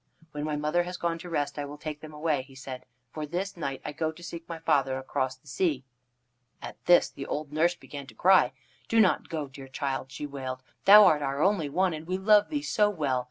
"When my mother has gone to rest I will take them away," he said, "for this night I go to seek my father across the sea." At this the old nurse began to cry. "Do not go, dear child," she wailed. "Thou art our only one, and we love thee so well.